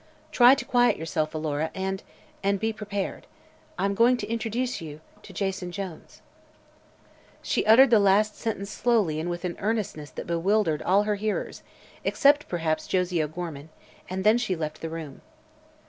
Try to quiet yourself, Alora, and and be prepared. I'm going to introduce to you Jason Jones." She uttered the last sentence slowly and with an earnestness that bewildered all her hearers except, perhaps, Josie O'Gorman. And then she left the room.